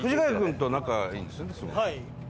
はい。